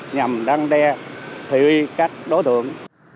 nhằm đăng đe thị huy các đối tượng